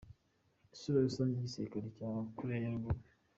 Isura rusange y’igisirikare cya Koreya ya Ruguru.